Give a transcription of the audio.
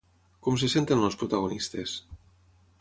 Com se senten els protagonistes?